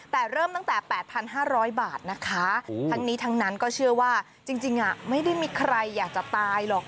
แต่เริ่มตั้งแต่๘๕๐๐บาทนะคะทั้งนี้ทั้งนั้นก็เชื่อว่าจริงไม่ได้มีใครอยากจะตายหรอก